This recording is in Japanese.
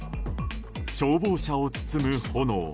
消防車を包む炎。